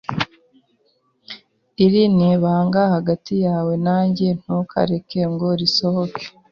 Iri ni ibanga hagati yawe nanjye, ntukareke ngo risohoke.